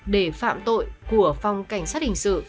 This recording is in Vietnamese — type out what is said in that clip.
để phạm tội của phòng cảnh sát hình sự